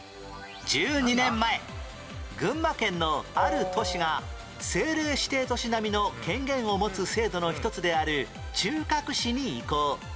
１２年前群馬県のある都市が政令指定都市なみの権限を持つ制度の１つである中核市に移行